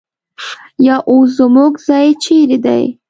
یا اوس زموږ ځای چېرې دی؟